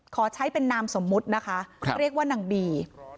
ขอใช้เป็นนามสมมุตินะคะเรียกว่านางบี